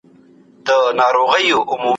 د څېړونکي هڅه تر نورو دوامداره وي.